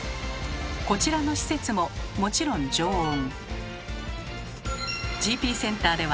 こちらの施設ももちろん常温。